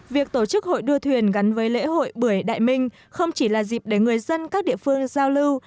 việc tổ chức hội đua thuyền gắn với lễ hội bưởi đại minh không chỉ là dịp để người dân các địa phương giao lưu